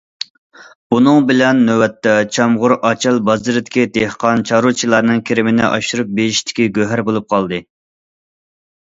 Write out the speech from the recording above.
بۇنىڭ بىلەن نۆۋەتتە چامغۇر ئاچال بازىرىدىكى دېھقان- چارۋىچىلارنىڭ كىرىمىنى ئاشۇرۇپ، بېيىشتىكى« گۆھەر» بولۇپ قالدى.